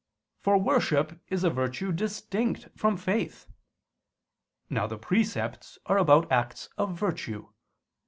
For worship is a virtue distinct from faith. Now the precepts are about acts of virtue.